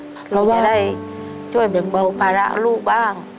เพราะว่าคือจะได้ช่วยเบียงเบาภาระลูกบ้าง